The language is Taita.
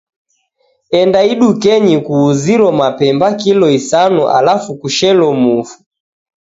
Enda idukenyi kuuziro mapemba kilo isanu alafu kushelo mufu.